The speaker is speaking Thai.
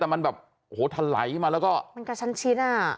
แต่มันแบบโอ้โหทะไหลมาแล้วก็มันกระชั้นชิดอ่ะ